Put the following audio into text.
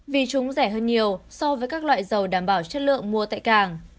vì chúng rẻ hơn nhiều so với các loại dầu đảm bảo chất lượng mua tại cảng